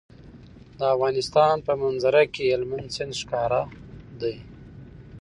د افغانستان په منظره کې هلمند سیند ښکاره ده.